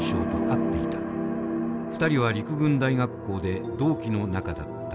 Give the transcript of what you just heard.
２人は陸軍大学校で同期の仲だった。